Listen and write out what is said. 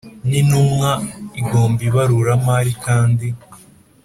n Intumwa igomba ibaruramari kandi